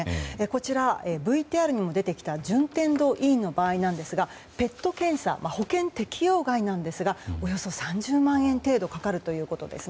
こちら、ＶＴＲにも出てきた順天堂医院の場合なんですがＰＥＴ検査保険適用外なんですがおよそ３０万円程度かかるということです。